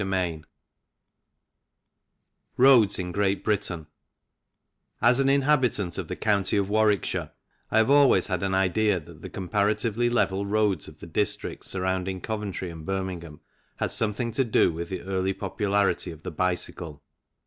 CHAPTER XII ROADS IN GREAT BRITAIN As an inhabitant of the county of Warwickshire, I have always had an idea that the comparatively level roads of the districts surrounding Coventry and Birmingham had something to do with the early popularity of the bicycle.